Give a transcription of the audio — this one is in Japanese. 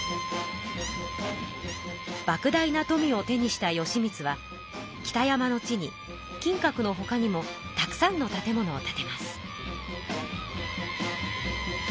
ばく大な富を手にした義満は北山の地に金閣のほかにもたくさんの建物を建てます。